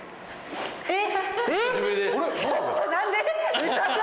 えっ！